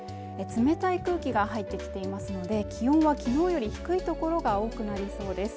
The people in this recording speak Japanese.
冷たい空気が入ってきていますので気温はきのうより低い所が多くなりそうです